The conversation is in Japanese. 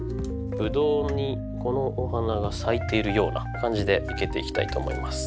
ブドウにこのお花が咲いているような感じで生けていきたいと思います。